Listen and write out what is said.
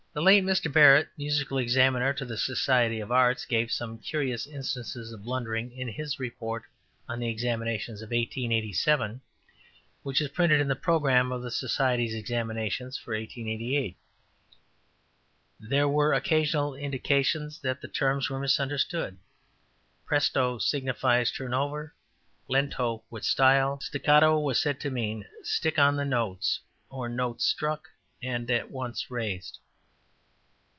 ladder). The late Mr. Barrett, Musical Examiner to the Society of Arts, gave some curious instances of blundering in his report on the Examinations of 1887, which is printed in the Programme of the Society's Examinations for 1888: ``There were occasional indications that the terms were misunderstood. `Presto' signifies `turn over,' `Lento' `with style.' `Staccato' was said to mean `stick on the notes,' or `notes struck and at once raised.'